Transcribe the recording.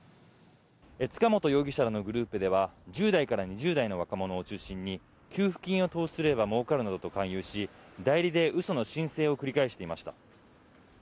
塚本容疑者らのグループでは１０代から２０代の若者を中心に給付金を投資すればもうかるなどと勧誘し代理で嘘の申請を繰り返していました。